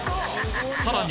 さらに